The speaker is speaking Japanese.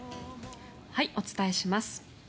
お伝えします。